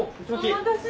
お待たせ。